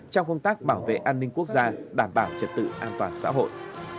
trong công tác bảo vệ an ninh quốc gia đảm bảo trật tự an toàn xã hội